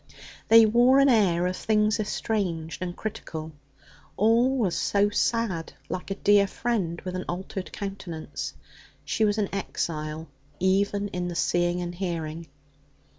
They wore an air of things estranged and critical. All was so sad, like a dear friend with an altered countenance. She was an exile even in the seeing and hearing.